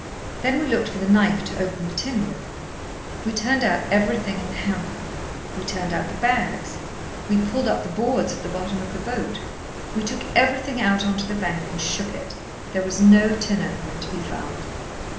Then we looked for the knife to open the tin with. We turned out everything in the hamper. We turned out the bags. We pulled up the boards at the bottom of the boat. We took everything out on to the bank and shook it. There was no tin opener to be found.